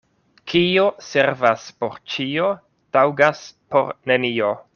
Kio servas por ĉio, taŭgas por nenio.